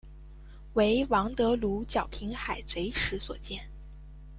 为王得禄剿平海贼时所建。